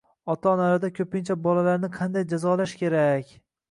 Ota-onalarda ko‘pincha “Bolalarni qanday jazolash kerak